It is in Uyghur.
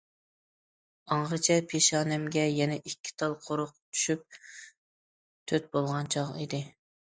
ئاڭغىچە پېشانەمگە يەنە ئىككى تال قورۇق چۈشۈپ تۆت بولغان چاغ ئىدى.